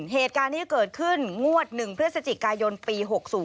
เหตุการณ์ที่เกิดขึ้นงวดหนึ่งเพศจิกายนปี๖๐